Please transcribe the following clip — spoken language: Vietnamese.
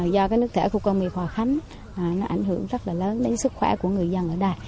do cái nước thể của công nghệ hòa khánh nó ảnh hưởng rất là lớn đến sức khỏe của người dân ở đây